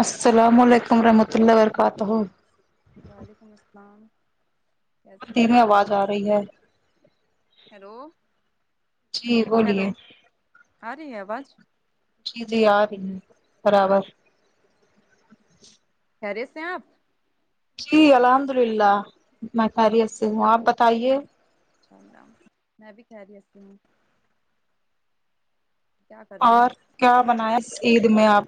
السلام علیکم رحمۃاللہ برکاتہ وعلیکم السلام کیسی ہیں دھیرے راجی آواز آ رہی ہے ہیلو جی ہیلو بولیے آ رہی ہے آواز جی جی آرہی ہیں برابر خیریت سے ہیں آپ جی الحمد للہ میں خیریت سے ہوں آپ بتائیے انشاء اللہ میں بھی خیریت سے ہوں کیا کر رہی ہیں اور کیا بنایا عید میں آپ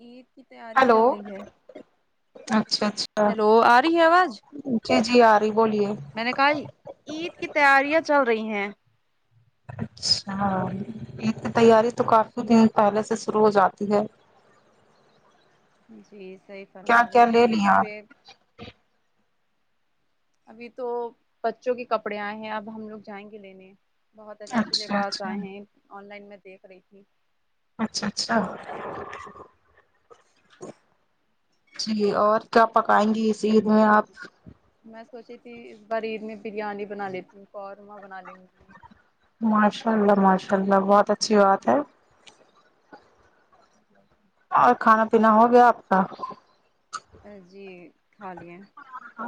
عید کی تیاری ہیلو چل رہی ہے اچھا اچھا ہیلو آ رہی ہے آواز جی جی آ رہی بولیے میں نے کہا عید کی تیاریاں چل رہی ہیں اچھا عید کی تیاری تو کافی دن پہلے سے شروع ہو جاتی ہے جی صحیح کیا فرما رہی کیا ہیں لے لیا ایک پ آپ ابھی تو بچوں کے کپڑے آئے ہیں اب ہم لوگ جائیں گے لینے بہت اچھے اچھے اچھا لباس اچھا آئے ہیں آن لائن میں دیکھ رہی تھی اچھا اچھا جی اور کیا پکائیں گی اس عید میں آپ میں سوچی تھی اس بار عید میں بریانی بنا لیتی ہوں قورمہ بنا لی مجھے ماشاء اللہ ماشاء اللہ بہت اچھی بات ہے جی اور کھانا پینا ہو گیا آپ کا جی کھا لییے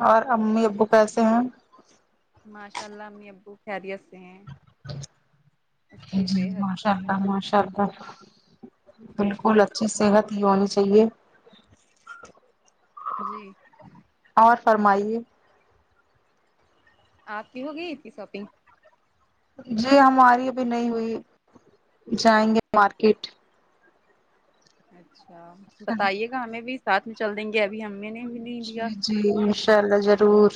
اور امی ابو کیسے ہیں ماشاء اللہ امی ابو خیریت سے ہیں اچھی جی صحت ماشاء ہے اللہ ماشاء اللہ بالکل اچھی صحت یہ ہونی چاہیے جی اور فرمائیے آپ کی ہو گئی اتنی شاپنگ جی ہماری ابھی نہیں ہوئی جائیں گے مارکیٹ اچھا بتائیے گا ہمیں بھی ساتھ میں چل دیں گے ابھی ہمیں نے بھی نہیں دیا جی جی انشاء اللہ ضرور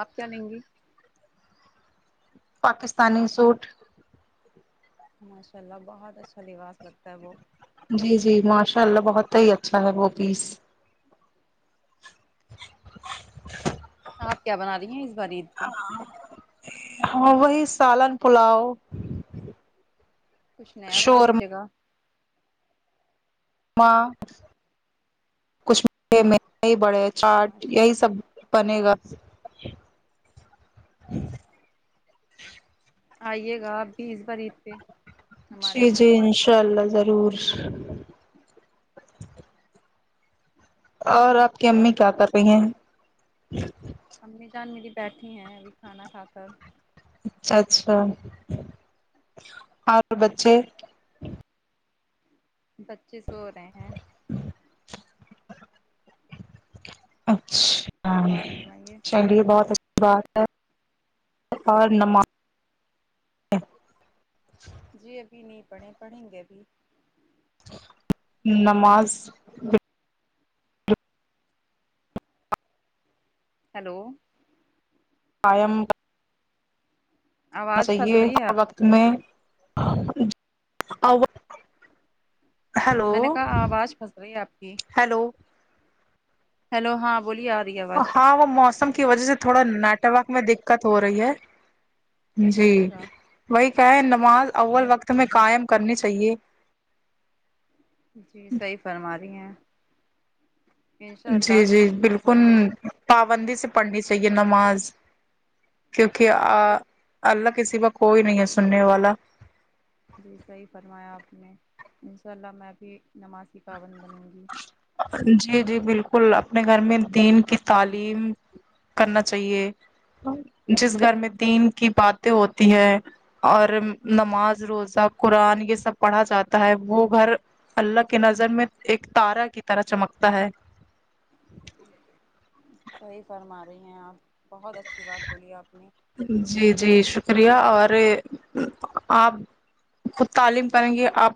آپ کیا لیں گی پاکستانی سوٹ ماشاء اللہ بہت اچھا لباس لگتا ہے وہ جی جی ماشاء اللہ بہت ہی اچھا ہے وہ پیس آپ کیا بنا رہی ہیں اس بار عید پہ ہاں وہی سالن پلاؤ کچھ نیا بنا لی شورما جاںیگی اں کچھ مھے میں یہی بڑے چاٹ ماشاء یہی اللہ سب پن گا آئیے گا آپ بھی اس بارعید پہ ہمارے جی گھر جی انشاء اللہ ضرور اور آپ کی اور امی کیا کر رہی ہیں امی جان میری بیٹھی ہیں ابھی کھانا کھا کر اچھا اچھا اور بچے بچے سو رہے ہیں اچھا اور فرمائیے چنڈی گ بہت اچھا بات اور نماز جی ابھی نہیں پڑھیں پڑھیں گے ابھی نماز ہیلو قائم ہونا آواز پھنس چاہیے رہی ہے ہر آپ وقت کی میں میں نے ہیلو کہا آواز پھنس رہی ہے آپ کی ہیلو ہیلو ہاں بولیے رہی ہے آواز ہاں وہ موسم کی وجہ سے تھوڑا ناٹ ورک میں دکت ہو رہی ہے جی اچھا وہی کہ ہے نماز اول وقت میں قائم کرنی چاہیے جی صحیح فرما رہی ہیں انشاء جی اللہ جی بالکل کروں گی پابندی سے پڑھنی چاہیے نماز کیونکہ جی آ اللہ کسی کا کوئی نہیں ہے سننے والا جی صحیح فرمایا آپ نے ان شاء اللہ میں ابھی نماز کی پابند بنوں گی جی جی بالکل اپنے گھر میں دین کی تعلیم کرنا چاہیے جس گھر میں دین کی باتیں ہوتی ہے اور نماز روزہ قرآن یہ سب پڑھا جاتا ہے وہ گھر اللہ کی نظر میں ایک تارہ کی طرح چمکتا ہے صحیح فرما رہی ہیں آپ بہت اچھی بات بولیے آپنی جی جی شکریہ اور آپ خود تعلیم کریں گے آپ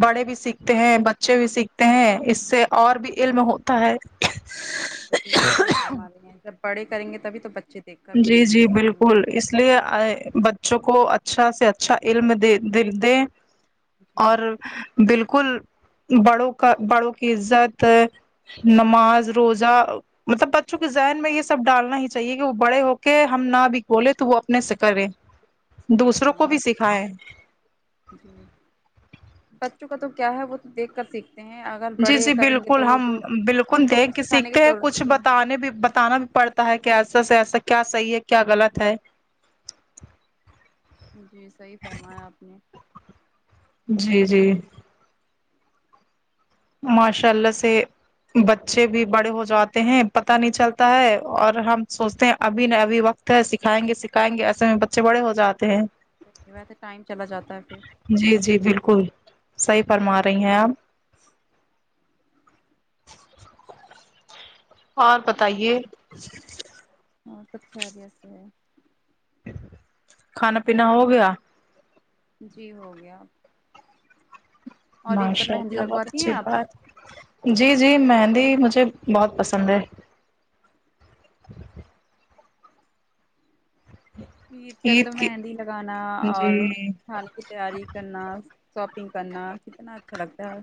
بڑے بھی سیکھتے ہیں بچے بھی سیکھتے ہیں اس سے اور بھی علم ہو تا ہے جی صحیح فرما رہی ہیں تب بڑے کریں گے تب تو بچے دیکھ کر جی جی سیکھیں گے بالکل اس اس لیے بچوں کو اچھا سے اچھا علم دے د دے جی اور بالکل بڑوں کا بڑوں کی عزت نماز روزہ مطلب بچوں کے ذہن میں یہ سب ڈالنا ہی چاہیے کہ وہ بڑے ہو کے ہم نہ بھی بولے تو وہ اپنے سے کرے صحیح دوسروں کو فرما بھی رہی ہیں سکھائے جی بچوں کا تو کیا ہے وہ تو دیکھ کر سیکھ جی جی بالکل ہم ان بالکل کو دیکھ کے سکھانے کی سیکھتے ہیں ضرورت ہی کچھ نہیں بتانے بھی بتانا بھی پڑتا کہ ایسا سے ایسا کیا صحیح ہے کیا غلط ہے جی صحیح فرمایا آپ نے جی جی ماشاء اللہ سے بچے بھی بڑے ہو جاتے ہیں پتہ نہیں چلتا ہے اور ہم سوچتے ہیں ابھی نہ ابھی وقت سکھائیں گے سکھائیں گے ایسے میں بچے بڑے ہو جاتے ہیں صحیح بات ہے ٹائم چلا جاتا ہے پھر جی جی بالکل صحیح فرما رہی ہیں آپ اور اور سب خیریت سے ہے کھانا پینا ہو گیا جی ہو گیا اور عید پر ماشاء مہندی اللہ بہت لگواتی اچھی ہیں آپ بات جی جی مہندی مجھے بہت پسند ہے پیر ت عید تو کی مہندی لگانا اور جی کھانے کی تیاری کرنا شاپنگ کرنا کتنا اچھا لگتا ہے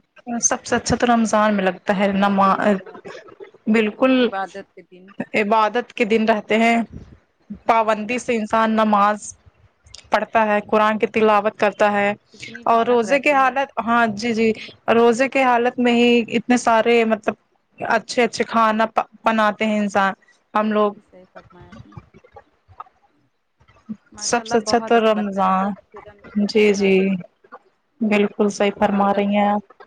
سب سے اچھا تو رمضان میں لگتا ہے جی صحیح نماز فرما بالکل عبادت کے دن عبادت کے دن رہتے ہیں جی پابندی سے انسان نماز پڑھتا ہے قرآن کی تلاوت کرتا ہے کتنی اور رونق روزے کی رہتی ہے حالت ہاں جی جی روزے کے حالت میں ہی اتنے سارے مطلب اچھے اچھے کھانا بناتے ہیں انسان ہم لوگ جی صحیح فرمایا اپنے ماشاء سب اللہ سے بہت تو اچھا لگتا ہے ای رمضان سب جی رمضان جی میں بالکل صحیح فرما رہی عبادت ہیں کا آپ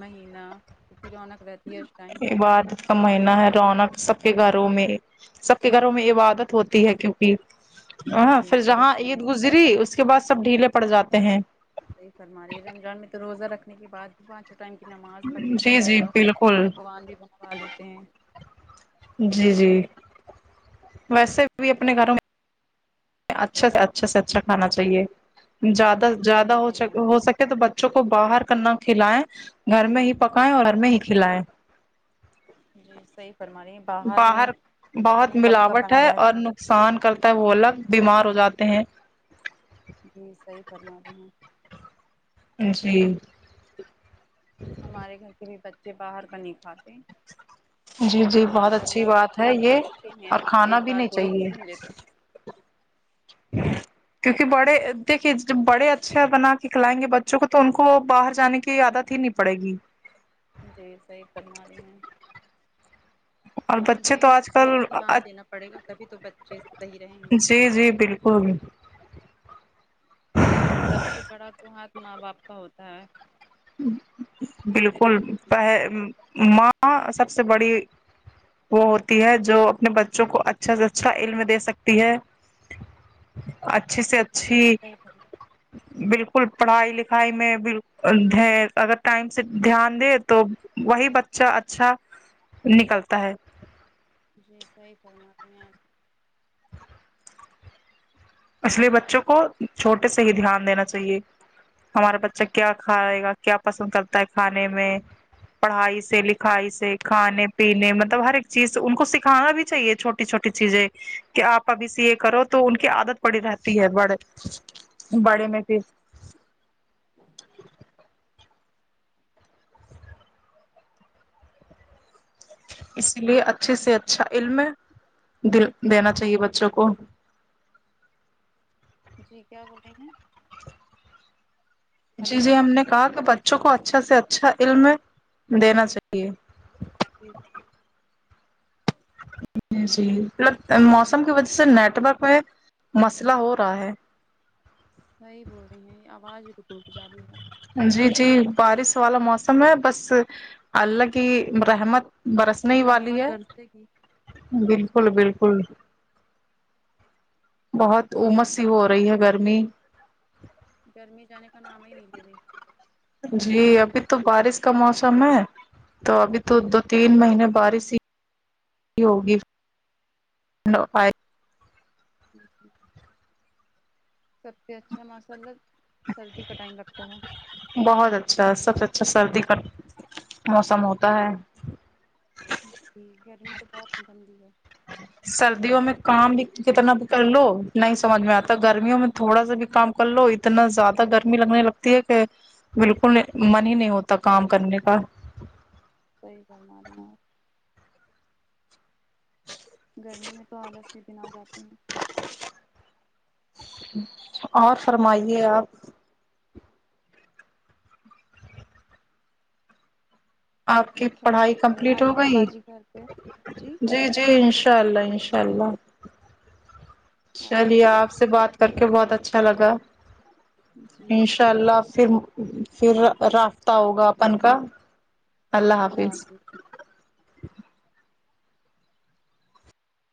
مہینہ اتنی رونق رہتی ہے اس ٹائم عبادت کا مہینہ ہے رونق سب کے گھروں میں سب کے گھروں میں عبادت ہوتی ہے کیونکہ ہاں جی پھر صحیح جہاں فرما عید گزری اس کے بعد سب ڈھیلے پڑ جاتے ہیں صحیح فرمارے رمضان میں تو روزہ رکھنے کے بعد ہی پانچ چٹ ٹائم کی نماز پڑھ لیتا جی ہے جی اور بالکل پکوان بھی بنوا لیتے ہیں جی جی ویسے بھی اپنے گھروں میں اچھا سے اچھا سے اچھا کھانا چاہیے جی زیادہ زیادہ صحیح ہو فرما رہی سک تو بچوں کو باہر کا نہ کھلائیں گھر میں ہی پکائیں اور گھر میں ہی کھلائیں جی صحیح فرما رہی باہر پتہ بہت نہیں کب کب ملاوٹ بنا ہے اور رہتا ن قصان کرتا ہے وہ الگ بیمار ہو جاتے ہیں جی صحیح فرما رہی ہیں جی ہمارے گھر کے بھی بچے باہر کا نہیں کھاتے جی جی بہت ماشاء اچھی اللہ بات ہے مطلب یہ اچھے ہیں اور کھانا ایک بھی بار نہیں بولو تو چاہیے سن لیتے کیونکہ بڑے دیکھیے جب بڑے اچھا بنا کے کھلائیں گے بچوں کو تو ان کو وہ باہر جانے کی عادت نہیں پڑے گی جی صحیح فرما رہی ہیں اور بچے تو یہ آج بڑوں کل کو دھیان دینا پڑے گا تبھی تو بچے صحیح رہیں گے جی جی بالکل سب سے بڑا تو ہاتھ ماں باپ کا ہوتا ہے بالکل پ ماں سب سے بڑی وہ ہوتی ہے جو اپنے بچوں کو اچھا سے اچھا علم دے سکتی ہے اچھے سے اچھی صحیح فرما بالکل پڑھائی لکھائی میں بال ہے اگر ٹائم سے دھیان دے تو وہی بچہ اچھا ہے نکلتا ہے جی صحیح فرماتی ہیں اپ اس لیے بچوں کو چھوٹے سے ہی دھیان دینا چاہیے ہمارا بچہ کیا کھائے گا کیا پسند کرتا ہے کھانے میں پڑھائی سے لکھائی سے کھانے پینے مطلب ہر ایک چیز ان کو سکھانا بھی چاہیے چھوٹ ی چھوٹی چیزیں کہ اپ ابھی سی یہ کرو تو ان کی عادت پڑی رہتی ہے بڑے بڑے میں پھر اسی لیے اچھے سے اچھا علم دل دینا چاہیے بچوں کو جی کیا بول رہی ہیں جی ہیلو جی ہم نے کہا کہ بچوں کو اچھا سے اچھا علم دینا چاہیے جی جی جی مطلب موسم کی وجہ سے نیٹورک میں مسئلہ ہو رہا ہے صحیح بول رہی ہیں یہ اواز روک روک جا رہی ہے جی جی بارش والا موسم ہے بس اللہ کی رحمت برسنے ہی ہے والی رحمت ہے گرسے کی بالکل بالکل بہت امس سی ہو رہی ہے گرمی گرمی جانے کا نام ہی نہیں لے رہے جی ابھی تو بارش کا موسم ہے تو ابھی تو دو تین مہینے بارش ہی ہوگی [unintelligible] ٹھیک ہے سب سے اچھا ماشاء اللہ سردی کا ٹائم لگتا ہے بہت اچھا ہے سب سے اچھا سردی کا موسم ہوتا ہے ج جی گرمی تو بہت ہی گندی ہے سردیوں میں کام بھی کتنا بھی کر لو نہیں سمجھ میں اتا گرمیوں میں تھوڑا سا بھی کام کر لو اتنا زیادہ گرمی لگنے لگتی ہے کہ بالکل من ہی نہیں ہوتا کام کرنے کا صحیح فرما رہی ہے اپ گرمی میں تو الس کے دن ا جاتے ہیں اور فرمائیے دپ اپ کی پڑھائی خیریت سے کمپلیٹ ہو آئیے گا گئی باجی گھر پہ جی جی انشاء اللہ انشاء اللہ آئیے گا چلیے آپ بہت دن سے بات کر کے نہیں بہت ہوئی۔ اچھا لگا جی انشاء اللہ فیر فیر رافطہ ہوگا اپن کا اللہ حافظ